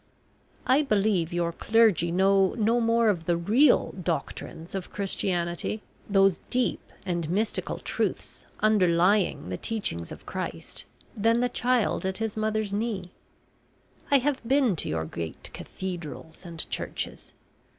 I believe your clergy know no more of the real doctrines of Christianity, those deep and mystical truths underlying the teachings of Christ, than the child at his mother's knee. I have been to your great cathedrals and churches.